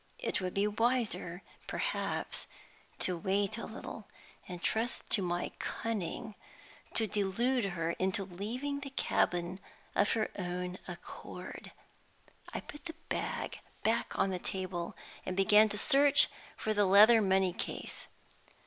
It would be wiser, perhaps, to wait a little and trust to my cunning to delude her into leaving the cabin of her own accord. I put the bag back on the table, and began to search for the leather money case.